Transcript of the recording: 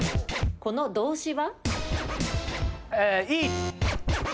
この動詞は？